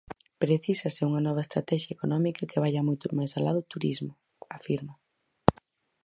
"Precísase unha nova estratexia económica que vaia moito máis alá do turismo", afirma.